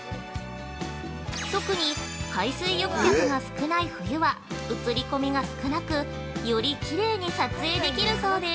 特に海水浴客が少ない冬は写り込みが少なくよりきれいに撮影できるそうです。